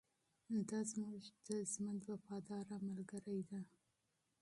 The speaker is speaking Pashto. دا زموږ د ژوند وفاداره ملګرې ده.